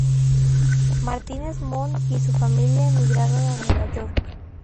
Martínez Montt y su familia emigraron a Nueva York.